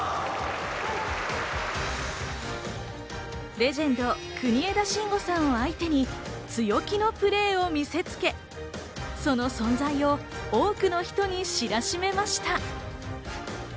レジェンド、国枝慎吾さんを相手に強気のプレーを見せつけ、その存在を多くの人に知らしめました。